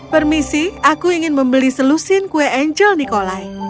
permisi aku ingin membeli selusin kue angel nikolai